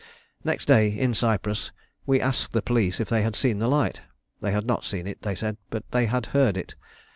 Next day, in Cyprus, we asked the police if they had seen the light. They had not seen it, they said, but had heard it.